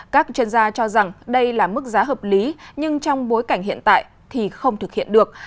các chuyên gia cho rằng đây là mức giá hợp lý nhưng trong bối cảnh hiện tại thì không thực hiện được